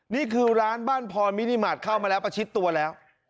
นี่คือร้านบ้านพรมินิมาตรเข้ามาแล้วประชิดตัวแล้ว